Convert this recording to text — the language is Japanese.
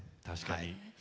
確かに。